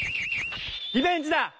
リベンジだ！